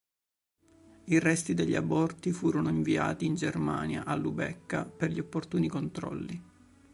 I resti degli aborti furono inviati in Germania, a Lubecca, per gli opportuni controlli.